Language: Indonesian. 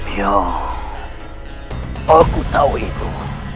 yah aku tahu itu